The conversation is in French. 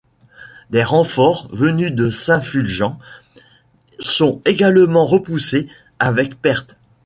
Des renforts, venus de Saint-Fulgent, sont également repoussés avec pertes.